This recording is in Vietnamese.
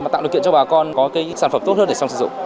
tạo điều kiện cho bà con có cái sản phẩm tốt hơn để xong sử dụng